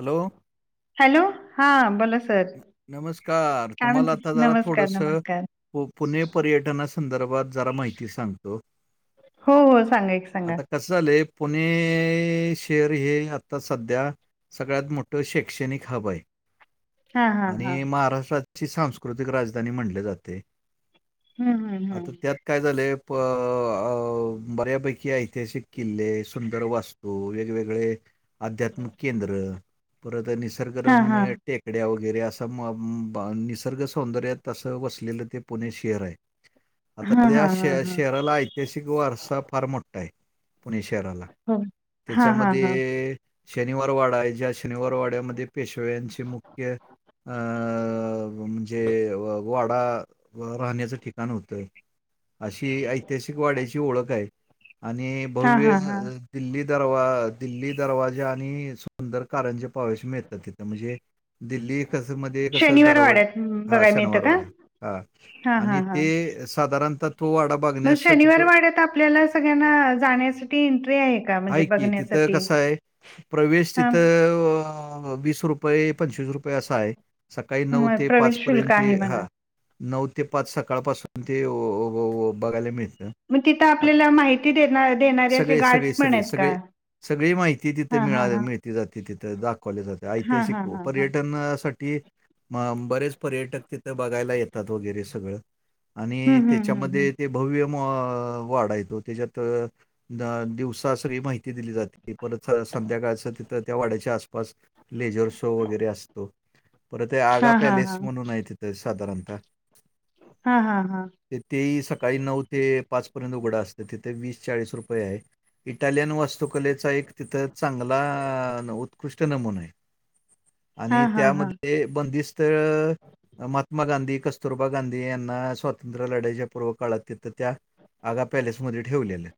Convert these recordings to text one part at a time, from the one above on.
Hello. Hello, हा बोला sir? न नमस्कार काय तुम्हाला म्हणता आता जरा नमस्कार थोडस, नमस्कार पुणे पर्यटना संदर्भात जरा माहिती सांगतो, हो हो सांगा एक सांगा आता कस झालय, पुणे शहर हे आता सध्या सगळ्यात मोठं शैक्षणिक हब आहे. हा हा हा आणि महाराष्ट्राची सांस्कृतिक राजधानी म्हणल जातय. हम्म हम्म हम्म आता त्यात काय झालय प अ बऱ्यापैकी ऐतिहासिक किल्ले, सुंदर वास् तू वेगवेगळे, आध्यात्मिक केंद्र, परत आणि हा हा निसर्गरम्य टेकड्या वगैरे अस त मम बन निसर्ग सौंदर्यात तंस वसलेलं ते पुणे शहर आहे. आता हा हा त्या हा हा श-शहरालाय ऐत्यासिक वारसा फार मोठा आहे, पुणे शहराला, हो हा हा हा त्याच्यामध्ये शनिवार वाडा आहे, ज्या शनिवार वाड्यामध्ये पेशव्यांचे मुख्य अ म्हणजे वाडा राहण्याचं ठिकाण होतं. अशी ऐतिहासिक वाड्याची ओळख आहे, आणि हा भव्य हा हा दिल्ली दरवा दिल्ली दरवाजा आणि सुंदर कारंजे पावेश मिळतात तिथं म्हणजे दिल्ली कस मध्ये कसं शनिवार दरवाज, वाड्यात हा बघाय मिळतं का शनिवारवाडा, हा. हा हा आणि ते साधारणतहा तो वाडा बाग म शनिवार वाड्यात आपल्याला सगळ्यांना जाण्यासाठी एंट्री आहे का म्हणजे बघण्यास? तिथ कस हाय, प्रवेश तिथ अ वीस रुपये पंचवीस रुपये असा आहे, सकाळी नऊ म ते पाच प्रवेश पर्यंत शुल्क ते आहे म्हणा हा. नऊ ते पाच सकाळपासून ते ओ ओ बघायला मिळ म तिथं आपल्याला माहिती देना-देणारे असे सगळे, सगळे, गार्ड्स पण सगळे, आहेत का? सगळे, सगळी माहिती तिथं हा हा मिळा हा मिळ ते जाते तिथे दाखवले जाते हा ऐतिहासिक हा हा हा पर्यटन साठी, माम बरेच पर्यटक तिथ बघायला येतात वगैरे सगळं, आणि हम्म हम्म हम्म हम्म त्याच्यामध्ये ते भव्य म वाडा हाय तो त्याज्यात अ दिवसा सगळी माहिती दिली जाते परत संध्याकाळच तिथ त्या वाड्याच्या आसपास लेजर शो वगैरे असतो. परत ये आगा हा हा हा पॅलेस म्हणून आहे तिथे साधारणतहा. हा हा हा. ते ही सकाळी नऊ ते पाच पर्यंत उघडं असतं तिथे वीस चाळीस रुपये आहे. इटालियन वास तुकलेचा एक तिथ चांगला उत्कृष्ट नमुना आहे आणि हा हा हा ते बंदिस्त महात्मा गांधी, कस्तुरबा गांधी, यांना स्वातंत्र्य लढाच्या पूर्वक काळात यथं त्या- आगा पॅलेसमध्ये ठेवलेलं.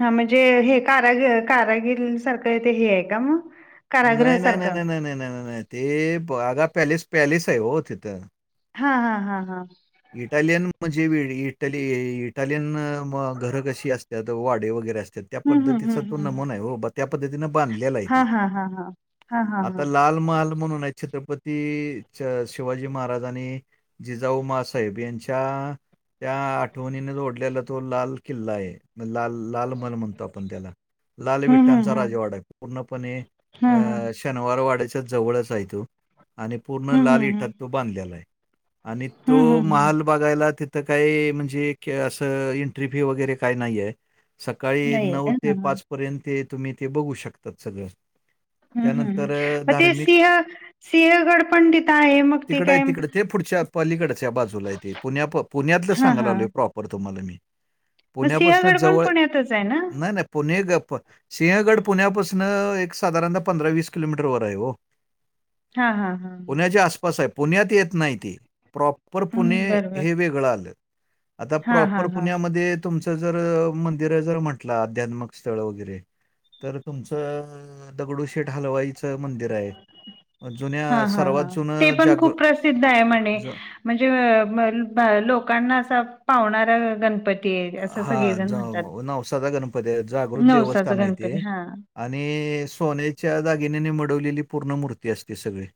हा म्हणजे हे कारागर कारागिर सारखं ते हे आहे का? मग कारागृह नाही, नाही, नाही, सारखं नाही, नाही, नाही, नाही, नाही, नाही ते आगा पॅलीस पॅलीस आहे हो तिथं. हा हा हा हा. इटालियन म्हणजे वेळी इट इटालियन मग घरं कशी असतात. वाडे वगैरे असतात. त्या हम्म हम्म पद्धतीचा हम्म तो हम्म हम्म. नमुना आहे हो बा त्या पद्धतीनें बांधलेला आहे. हा ते. हा हा हा. हा हा हा आता लाल महाल म्हणून छत्रपती छतपती शिवाजी महाराज आणि जिजाऊ मासाहेब यांच्या- त्या आठवणीने जोडलेला तो लाल किल्ला आहे. लाल लाल महल म्हणतो आपण त्याला लाल हम्म हम्म विठठांचा राजावाडा आहे. तो पूर्णपणे हम्म अ शनिवार वाड्याच्या जवळच आहे तो. आणि पूर्ण हम्म हम्म हम्म लाल इठात हम्म तो बांधलेला आहे. आणि हम्म तो हम्म हम्म महाल बघायला तिथं काय? म्हणजे क असं एंट्री फी वगैरे काय नाही आहे. सकाळी नाहीये का नऊ ते हा हा पाच पर्यंत तुम्ही ते बघू शकतात सगळं. हम् हम् त्यानंतर अ, मग ते धार्मिक सिंह सिंहगड पण तिथं आहे मग ते तिकडं आहे काय? तिकडं ते पुढच्या पालीकडच्या बाजूला तेे पुण्या पुण्यातलं हा सांगाला हा आलोय प्रॉपर तुम्हाला मी. मग पुण्यापासून सिंहगड पण जवळ पुण्यातच आहे ना नाही नाही पुणे ग सिंहगड पुण्यापासून एक साधारणतः पंधरा वीस किलोमीटर वर आहे हो. हा हा हा पुण्याच्या आसपास आहे पुण्यात येत नाही ती. पर पुणे हम्म बरोबर हे वेगळं आलं. आता हा हा प्रॉपर हा पुण्यामध्ये तुमचं जर मंदिर जर म्हटलं अध्यात्मिक स्थळ वगैरे. तर तुमचं दगडूशेठ हलवाईचं मंदिर आहे. हा जुन्या हा सर्वात हा ते जुनं पण जागृ खूप प्रसिद्ध आहे म्हणे. ज म्हणजे लोकांना असा पावणारा गणपती- आहे असं हा सगळेजण ज म्हणतात. नवसाचा गणपती आहे जागृत नवसाचा देवस्थान आहे गणपती ते. हां आणि सोन्याच्या दागिनेने मडवलेली पूर्णमूर्ती असते सगळी.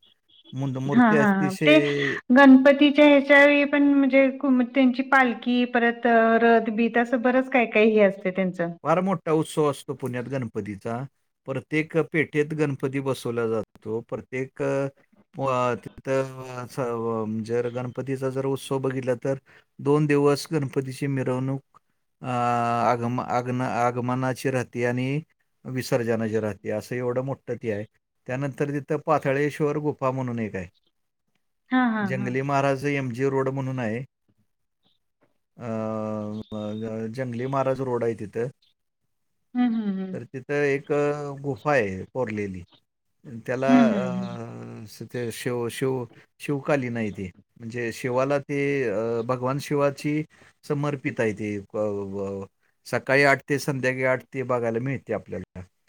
मुड हां मूर्ती हां हां ते अतिशय गणपतीच्या ह्याच्या वेळी पण म्हणजे त्यांची पालखी परत रथबीत असं बरंच काय काही हे असते त्यांच. फार मोठा उत्सव असतो पुण्यात गणपतीचा. प्रत्येक पेठेत गणपती बसवला जातो प्रत्येक तिथं जर गणपतीचा जर उत्सव बघितला तर- दोन दिवस गणपतीची मिरवणूक अ आगम आग्न आगमनाची राहते. आणि विसर्जनाची राहते. असं एवढं मोठं ती आहे. त्यानंतर तिथं पाथळेश्वर गुफा म्हणून एक आहे. हां हां हां जंगली महाराज- एमजी रोड म्हणून आहे. अ जंगली महाराज रोड आहे. तिथं हम्म हम्म हम्म तर तिथं एक गुफा आहे कोरलेली. त्याला हम्म हम्म हम्म अं ते शिव शिव- शिवकालीन आहे. ते म्हणजे शिवाला ते अ भगवान शिवाची- समर्पित आहे ते सकाळी आठ ते संध्याकाळी आठ ते बघायला मिळते आपल्याला.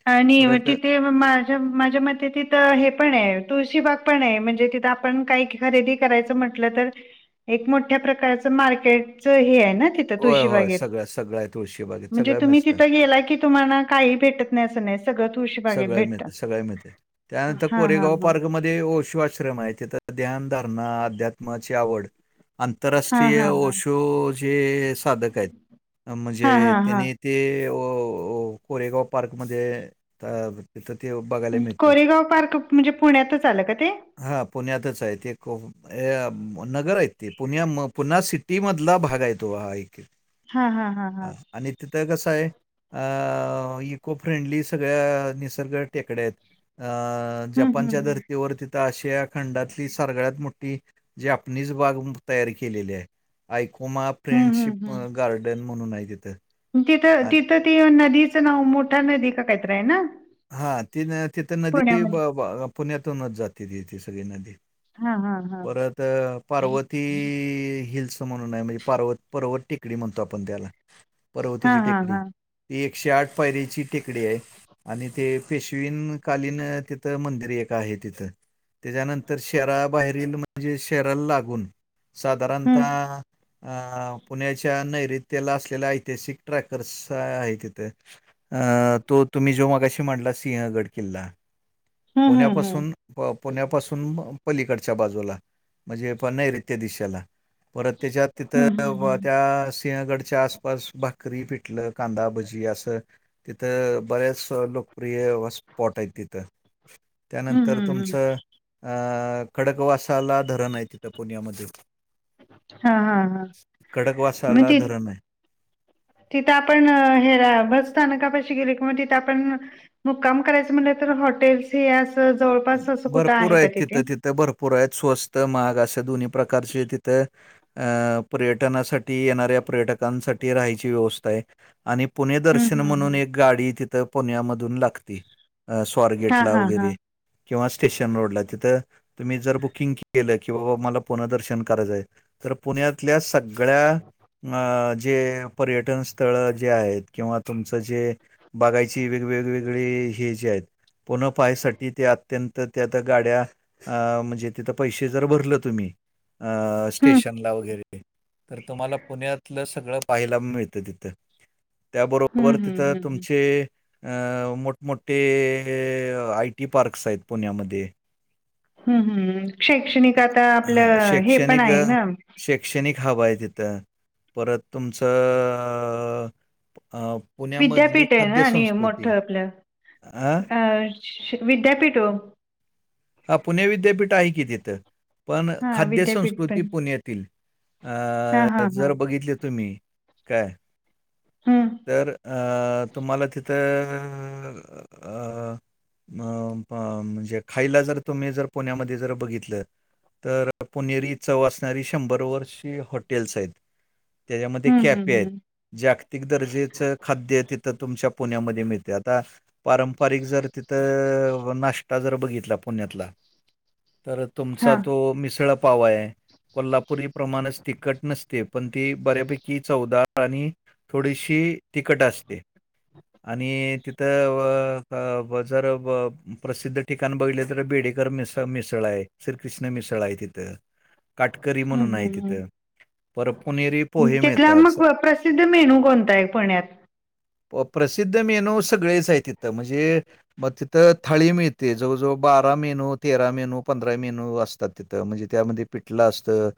आणि व परत तिथे माझ माझ्या मते तिथं हे पण आहे तुळशी बाग पण आहे म्हणजे तिथ आपण काही खरेदी करायचं म्हटलं तर एक मोठ्या प्रकारचा मार्केटच हे आहे न ते होय, होय. तुळशीबागेत सगळं, सगळं आहे तुळशीबागेत. म्हणजे सगळं तुम्ही मिळतं. तिथ गेला कि तुम्हाला काही भेटत नाही अस नाही [unintelligible] सगळ भेटतं. मिळते सगळ्या मिळते त्यानंतर हा हा कोरेगाव हा पार्कमध्ये. श्श्रम आहे तेिथ ध्यान धारणा अध्यात्माची आवड. हा आंतरराष्ट्रीय हा ओशो जे साधक आहेत हा हा म्हणजे हा हा. त्यांनी. ते कोरेगाव पार्कमध्ये. त ते बघायला मिळतं. कोरेगाव पार्क म्हणजे पुण्यातच आलं का ते? हा पुण्यातच आहे ते खूप. अ नगर आहेत ते पुण्या पुन्हा सिटी मधला भाग आहे तो ऐक हा हा हा हा. आणि तिथं कसं आहे अ इको फ्रेंडली सगळ्या निसर्ग टेकड्या आहेत. हम्म हम्म जपानच्या हम्म. धर्तीवर आशिया खंडातली सगळ्यात मोठी जी आपनीच बाग तयार केलेली आहे. आयकोमा हम्म हम्म फ्रेंडशिप हम्म गार्डन म्हणून आहे तिथं. तिथं तिथं ती नदीचं नाव मोठा नदी कय तरी आहे ना. हा ती तिथं नदी पुण्यामध्ये पुण्यातूनच जाते त ती सगळी नदी. हा हा हा परत पार्वती हिल्स. म्हणून म्हणजे पवत पर्वत टेकडी म्हणतो आपण त्याला हा पर्वतीची हा टेकडी. हा ती एकशे आठ पायरीची टेकडी आहे. आणि ते पेशवीन कालीन तिथं मंदिर एक आहे तिथं त्याच्यानंतर शराबाहेरील म्हणजे शेराला लागून हम्म साधारणतः.... अ पुण्याच्या नैऋत्याला असलेला ऐतिहासिक ट्रॅकर्स आहे तिथे. अ तो तुम्ही जो मागाशी म्हणला सिंहगड किल्ला हम्म हम्म हम्म. पुण्यापासून. पुण्यापासून पलीकडच्या बाजूला म्हणजे प नैऋत्य दिशेला. परत त्याच्यात तिथं हम्म हम्म हम्म त्या सिंहगडच्या आस बस बकरी, पिठल, कांदा भजी, अस तिथं बऱ्याच लोकप्रिय स्पॉट आहेत तिथं. हम्म त्यानंतर हम्म हम्म तुमचं अं खडकवासाला धरण आहे. तिथं पुण्यामध्ये. हा. हा हा. खडकवासाला म्हणजे? धरण आहे तिथं आपण हेरा बस स्थानकापाशी गेली कि म तिथं आपण. मुकाम करायचं म्हलं तर हॉटेल्स हे असं जवळपास असं कुठं आहे का तिथे. ते भरपूर आहेत स्वस्त माग अशे दोन्ही प्रकारचे तिथे अ पर्यटनासाठी. येणाऱ्या पर्यटकांसाठी राहायची व्यवस्था आहे आणि पुणे हम्म दर्शन हम्म म्हणून हम्म एक, गाडी तिथं पुण्यामधून लागते हा स्वारगेटला हा हा वगैरे, किंवा स्टेशन रोडला तिथं तुम्ही जर बुकिंग केलं किंवा मला पुन्हा दर्शन करायचंय. तर पुण्यातल्या सगळ्या अ जे पर्यटन स्थळ जे आहेत किंवा तुमचं जे, बाघायची वेवेगवेगळे हे जे आहेत पुण पायसाठी..... तिथ अत्यंत त्यात गाड्या म्हणजे तिथं पैसे जर भरलं तुम्ही.... अ.... हम्म स्टेशनला वगैरे तर तुम्हाला पुण्यातलं सगळं पाहायला मिळत तिथं. हम्म त्याबरोबर तिथं हम्म हम्म तुमचे मोठ, मोठे आय टी पार्क्स आहेत पुण्यामध्ये हम्म, हम्म शैक्षणिक अ, आता हां, आपलं हे पण शैक्षणिक आहे अ, ना शैक्षणिक हव आहे तिथं परत तुमचं पुण्यामधली विद्यापीठ आहे ना खाद्य आणि मोठं संस्कृती. आपलं हां, अ विद्यापीठ हो. हा पुणे विद्यापीठ आहे की तिथं पण हा खाद्य विद्यापीठ संस्कृती पण पुण्यात तील हा हा अ हा जर बघितले तुम्ही काय हम्म तर अ तुम्हाला तिथं अ अ अ ब म्हणजे खाईला जर तुम्ही जर पुण्यामध्ये जर बघितलं. तर पुणेरी चव असणारी शंभर वर्ष हॉटेल्स आहेत. त्याच्यामध्ये हम्म कॅफे हम्म आहेत. हम्म जागतिक दर्जेचं खाद्य तिथं तुमच्या पुण्यामध्ये मिळते, आता पारंपरिक जर तिथं नाष्टा जर बघित पुण्यातला तर हा तुमचा तो मिसळ पाव आहे. कोल्हापूरी प्रमाणच तिखट नसते, पण ती बऱ्यापैकी चौदार आणि थोडीशी तिकट असते. आणि तिथं [unintelligible] जर प्रसिद्ध ठिका ठीकण बघलेतर बेडेकर मिस मिसळ आहे, श्रीकृष्ण मिसळ आहे तिथं काटकरी म्हणून हम्म आहे हम्म तिथं. पर पुणेरी पोहे तिथला मिळतात. मग प्रसिद्ध मेनू कोणता आहे पुण्यात? प्रसिद्ध मेंनो सगळेच आहे तिथं म्हणजे, मग तिथं थाळी मीळ ते जवळ जवळ बारा मेनू, तेरा मेनू, पंधरा मेनू असतात तिथं म्हणजे त्यामध्ये पिटलं असतं.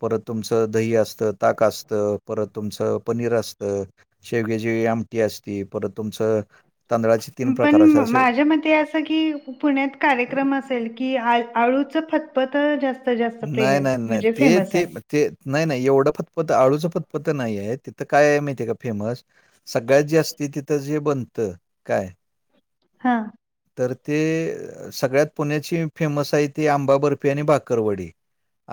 परत तुमचं दही असतं, ताक असतं परत तुमचं पनीर असतं. शेवग्याची आमटी असती, परत तुमचं तांदळाची पण माझ्या मते अस की पुण्यात कार्यक्रम असेल की आळ आळूचं फतपत जास्त जास्त नाही प्रिय नाही नाही म्हणजे ते फेमस आहे. ते ते नाही, नाही एवढं फतफत आळूचं फतपत नाही आहे, तिथं काय आहे माहितीय आहे का फेमस? सगळ्यात जास्ती तिथं जे बनतं काय हां. तर ते सगळ्यात पुण्याची फेमस आहे ते आंबा बर्फी आणि भाकरवडी.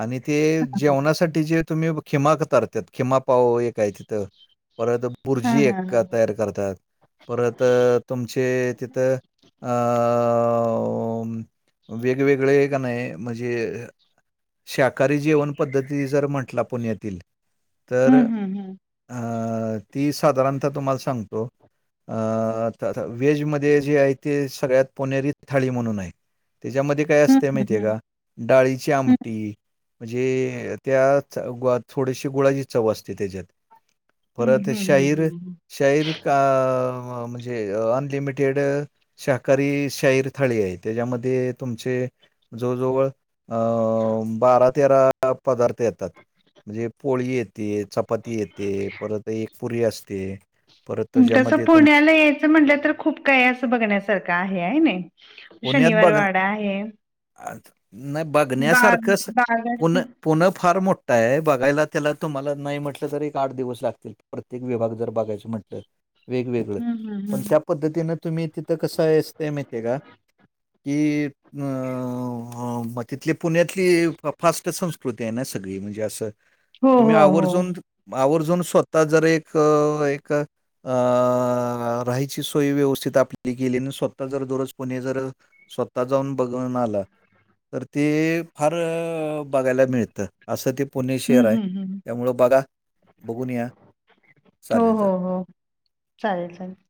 आणि ते जेवणासाठी जे तुम्ही खिमा करत्यात खिमा पाव एक काय तिथं परत हा बुर्जी हा एक हा तयार करतात. परत तुमचे तिथं अं वेगवेगळे का नाही म्हणजे शाकाहारी जेवन पद्धती जर म्हटला पुण्यातील तर हम्म हम्म हम्म. हं, ती साधारणता तुम्हाला सांगतो अं थ थ व्हेजमध्ये जे आहे ते सगळ्यात पुनेरी थाळी म्हणून आहे. त्याच्यामध्ये काय असते हम्म माहिती आहे हम्म. का? डाळीची आम टी, म्हणजे त्याच थोडीशी गुळाची चव असते तेच्यात. परत हम्म हम्म शाहीर हम्म शाहीर कां म्हणजे अनलिमिटेड शाकाहारी शाहीर थाळी आहे त्याच्यामध्ये तुमचे जवळ जवळ अ बारा तेरा पदार्थ येतात. म्हणजे एक पोळी येते, चपाती येते, परत एक पुरी असते. परत तसं त्याच्यामध्ये तुमच पुण्याला यायचं म्हटलं तर खूप काही असं बघण्यासारखं आहे. हाय नाई. शनिवार वाडा आहे. नाय बाग बघण्यासारखं अस बागाच पुण हम्म पुण फार मोठ आहे बघायला त्याला तुम्हाला नाही म्हटलं तर एक आठ दिवस लागतील. प्रत्येक विभाग जर बघायच म्हटलं वेगवेगळ हम्म पण त्या हम्म. पद्धतीनं तुम्ही तिथं कसं आहे असतंय माहितीय का? कि अं म तिथली पुण्यात की फास्ट संस्कृती आहे ना सगळी म्हणजे असं हो तुम्ही हो हो आवर्जून आवर्जून स्वता जर एक एक अं राहायची सोय व्यवस्थित आपली केली, आणि स्वतः जर दररोज कोणी जर स्वता जाऊन बघून आला तर ते फार बघायला मिळतं असं ते पुणे शहर हम्म आहे, हम्म हम्म त्यामुळं बघा. बघून या. हो चालेल हो चालेल. हो. चालेल चालेल.